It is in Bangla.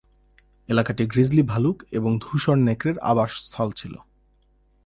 এলাকাটি গ্রিজলি ভালুক এবং ধূসর নেকড়ের আবাসস্থল ছিল।